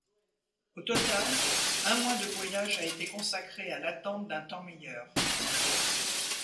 Au total, un mois de voyage a été consacré à l'attente d'un temps meilleur.